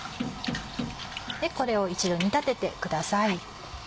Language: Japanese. これを一度煮立ててください。